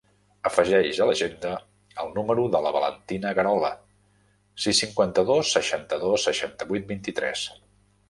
Afegeix a l'agenda el número de la Valentina Guerola: sis, cinquanta-dos, seixanta-dos, seixanta-vuit, vint-i-tres.